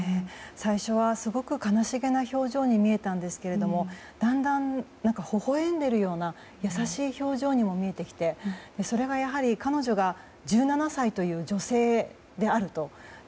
最初はすごく悲しげな表情に見えたんですがだんだん、ほほ笑んでいるような優しい表情にも見えてきてそれがやはり彼女が１７歳という女性であると。